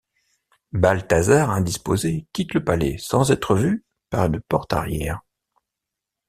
Balthazar, indisposé, quitte le palais sans être vu par une porte arrière.